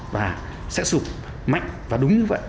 và sẽ sụp mạnh và đúng như vậy